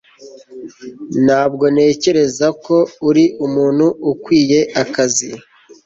ntabwo ntekereza ko uri umuntu ukwiye akazi